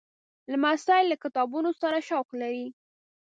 لمسی له کتابونو سره شوق لري.